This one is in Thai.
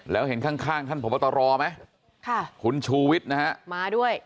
แล้วเห็นข้างข้างท่านพระพัทรรอมั้ยค่ะคุณชูวิทธ์นะฮะมาด้วย